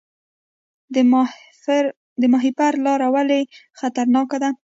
د ماهیپر لاره ولې خطرناکه ده؟